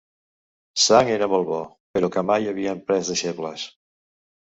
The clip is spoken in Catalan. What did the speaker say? Sang era molt bo, però que mai havien pres deixebles.